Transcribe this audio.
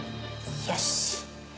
よし。